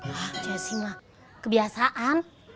hah jessy ma kebiasaan